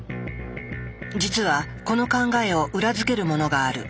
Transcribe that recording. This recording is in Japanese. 実はこの考えを裏付けるものがある。